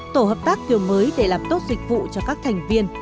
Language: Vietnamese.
tổ hợp tác kiểu mới để làm tốt dịch vụ cho các thành viên